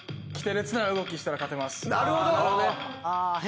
なるほど。